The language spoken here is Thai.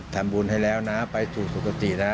ทำบุญให้แล้วนะไปสู่สุขตินะ